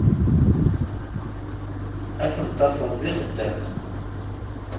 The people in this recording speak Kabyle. Ad ten-tafeḍ d ixeddamen.